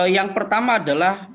yang pertama adalah